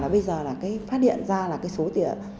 bây giờ phát hiện ra là số tiền